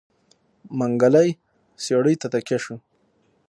منګلی څېړۍ ته تکيه شو.